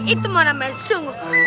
itu mau nambah sungguh